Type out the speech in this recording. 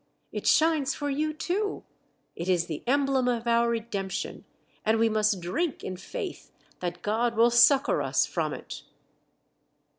It shines for you, too! It is the emblem of our redemption, and we must drink in faith that God v/ill succour us from it."